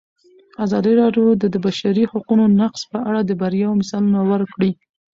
ازادي راډیو د د بشري حقونو نقض په اړه د بریاوو مثالونه ورکړي.